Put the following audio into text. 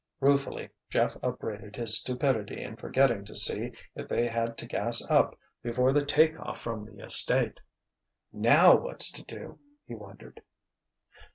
Ruefully Jeff upbraided his stupidity in forgetting to see if they had to gas up before the take off from the estate. "Now what's to do?" he wondered.